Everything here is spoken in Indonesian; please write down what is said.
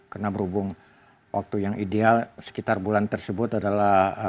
karena berhubung waktu yang ideal sekitar bulan tersebut adalah